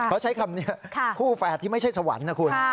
เขาใช้คำนี้คู่แฝดที่ไม่ใช่สวรรค์นะคุณ